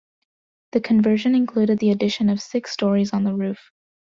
The conversion included the addition of six stories on the roof.